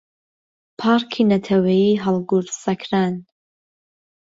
پارکی نەتەوەییی هەڵگورد سەکران